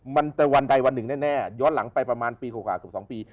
มันจะวันใดวันหนึ่งแน่ย้อนหลังไปประมาณปี๖๒ปี